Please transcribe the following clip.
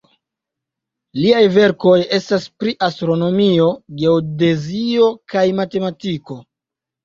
Liaj verkoj estas pri astronomio, geodezio kaj matematiko.